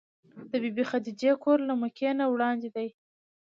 د بي بي خدېجې کور له مکې نه وړاندې دی.